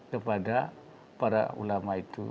kepada para ulama itu